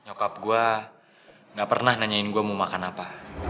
nyokap gue gak pernah nanyain gue mau makan apa